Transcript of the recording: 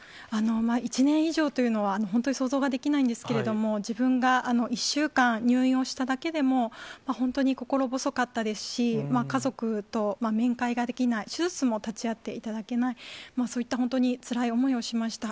１年以上というのは本当に想像ができないんですけれども、自分が１週間、入院をしただけでも、本当に心細かったですし、家族と面会ができない、手術も立ち会っていただけない、そういった本当につらい思いをしました。